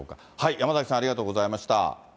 山崎さん、ありがとうございました。